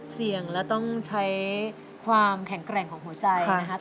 เสี่ยงและต้องใช้ความแข็งแกร่งของหัวใจนะครับ